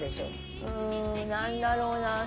うん何だろうな。